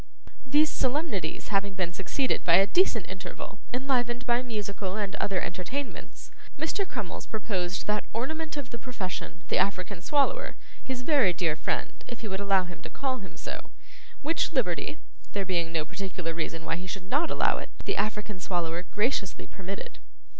These solemnities having been succeeded by a decent interval, enlivened by musical and other entertainments, Mr. Crummles proposed that ornament of the profession, the African Swallower, his very dear friend, if he would allow him to call him so; which liberty (there being no particular reason why he should not allow it) the African Swallower graciously permitted.